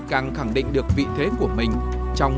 và mang tính bình thường